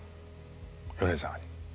米沢に。